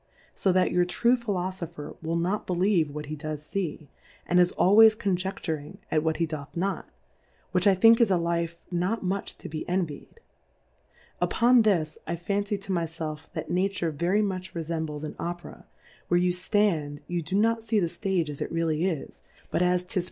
So that your true Fhilofopher will not believe what he does fee, and is al ways conjefturing at what he doth not, which I think is a Life not much to be envy'd : Upon this I fancy to my felf, that Nature very much refembles an Opera^ where you ftand, you do not fee the Stage as it really is ) but as 'tis plac'd Plurality ^/WORLDS.